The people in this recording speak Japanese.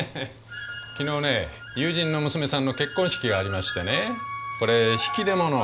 昨日ね友人の娘さんの結婚式がありましてねこれ引き出物。